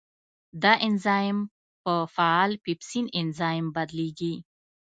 دا انزایم په فعال پیپسین انزایم بدلېږي.